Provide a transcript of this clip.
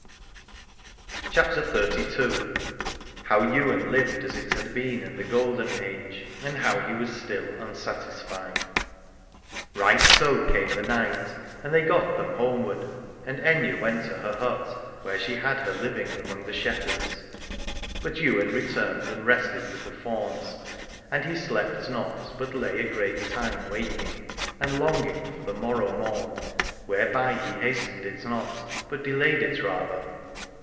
200 CHAPTER XXXII. HOW YWAIN LIVED AS IT HAD BEEN IN THE GOLDEN AGE AND HOW HE WAS STILL UNSATISFIED. Right so came the night and they got them homeward. And Aithne went to her hut, where she had her living among the shep herds, but Ywain returned and rested with the fauns. And he slept not, but lay a great time waking, and longing for the morrow morn : whereby he hastened it not, but delayed it rather.